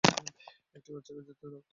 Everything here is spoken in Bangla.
একটি বাচ্চাকে যেতে দাও।